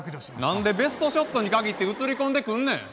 何でベストショットに限って写り込んでくんねん。